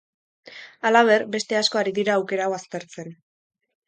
Halaber, beste asko ari dira aukera hau aztertzen.